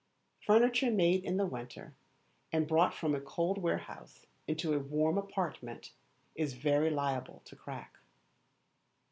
Furniture made in the winter, and brought from a cold warehouse into a warm apartment, is very liable to crack.